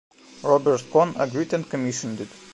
Robert Kohn agreed and commissioned it.